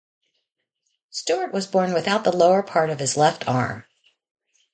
Stewart was born without the lower part of his left arm.